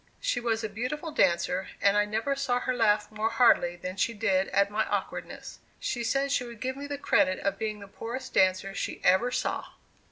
She was a beautiful dancer, and I never saw her laugh more heartily than she did at my awkwardness. She said she would give me the credit of being the poorest dancer she ever saw!